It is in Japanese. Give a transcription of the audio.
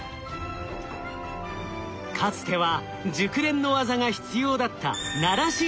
かつては熟練の技が必要だったならし作業。